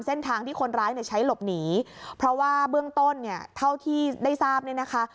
เส้นทางที่คนร้ายเนี่ยใช้หลบหนีเพราะว่าเบื้องต้นเนี่ยเท่าที่ได้ทราบเนี่ยนะคะ